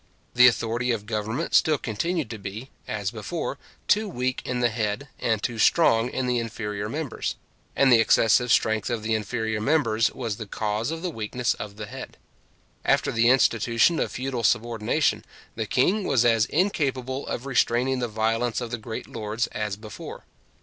The authority of government still continued to be, as before, too weak in the head, and too strong in the inferior members; and the excessive strength of the inferior members was the cause of the weakness of the head. After the institution of feudal subordination, the king was as incapable of restraining the violence of the great lords as before.